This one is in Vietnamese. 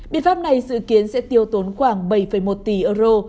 biện pháp này dự kiến sẽ tiêu tốn khoảng bảy một tỷ euro